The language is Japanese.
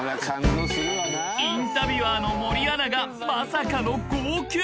［インタビュアーの森アナがまさかの号泣］